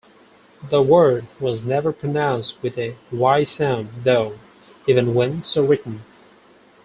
The word was never pronounced with a "y" sound, though, even when so written.